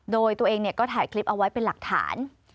โดยตัวเองก็ถ่ายคลิปเอาไว้เป็นหลักฐาน